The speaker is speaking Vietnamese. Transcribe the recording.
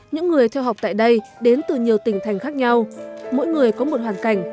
những người theo học tại đây đến từ nhiều tỉnh thành khác nhau mỗi người có một hoàn cảnh